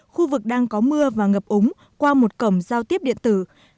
khu vực đang có mưa và ngập úng qua một cổng giao tiếp điện tử